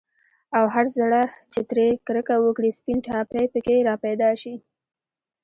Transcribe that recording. او هر زړه چي ترې كركه وكړي، سپين ټاپى په كي راپيدا شي